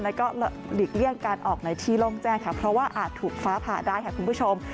แล้วก็หลีกเลี่ยงการออกในที่โล่งแจ้งค่ะเพราะว่าอาจถูกฟ้าผ่าได้ค่ะคุณผู้ชม